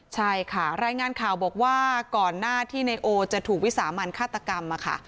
ใช่ค่ะรายงานข่าวบอกว่าก่อนหน้าที่ในโอจะถูกวิสามันฆาตกรรมอะค่ะ